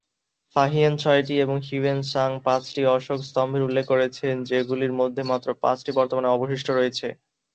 Fa-Hien ছয়টি ও Hiuen Tsang পাঁচটি অশোক স্তম্ভের উল্লেখ করেছেন, যেগুলির মধ্যে মাত্র পাঁচটি বর্তমানে অবশিষ্ট রয়েছে।